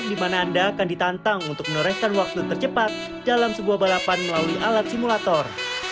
di mana anda akan ditantang untuk menoreskan waktu tercepat dalam sebuah balapan melalui alat simulator